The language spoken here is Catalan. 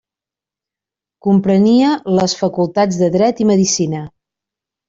Comprenia les Facultats de Dret i Medicina.